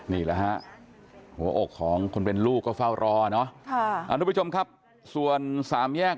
นี่แหละฮะหัวโอปของคนเป็นลูกก็ฟาวรอเนอะค่ะส่วนสามแยก